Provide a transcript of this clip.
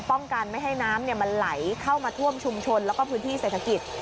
ป้องกันไม่ให้น้ำมันไหลเข้ามาท่วมชุมชนแล้วก็พื้นที่เศรษฐกิจ